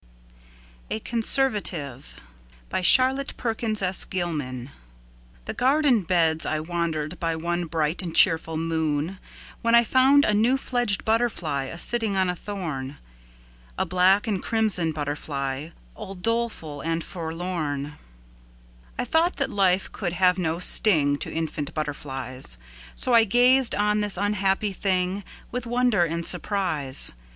rlotte Perkins Gilman1860–1935 A Conservative THE GARDEN beds I wandered byOne bright and cheerful morn, When I found a new fledged butterfly,A sitting on a thorn,A black and crimson butterflyAll doleful and forlorn.I thought that life could have no stingTo infant butterflies, So I gazed on this unhappy thingWith wonder and surprise.